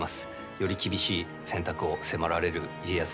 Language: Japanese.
より厳しい選択を迫られる家康。